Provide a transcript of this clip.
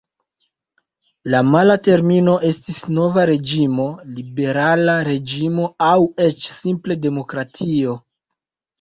La mala termino estis Nova Reĝimo, Liberala Reĝimo aŭ eĉ simple Demokratio.